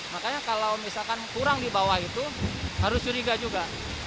makanya kalau misalkan kurang di bawah itu harus curiga juga